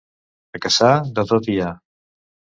A Cassà, de tot hi ha.